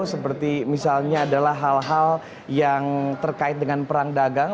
seperti misalnya adalah hal hal yang terkait dengan perang dagang